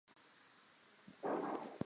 宁波市鄞州区图书馆亦附设于此馆。